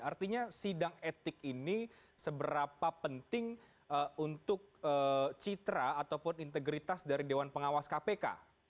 artinya sidang etik ini seberapa penting untuk citra ataupun integritas dari dewan pengawas kpk